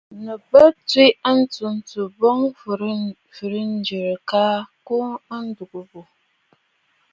Nɨ bə tswe a ntsǔǹtsù boŋ fɨ̀rɨ̂ŋə̀rə̀ àa kɔʼɔ a ndùgə bù.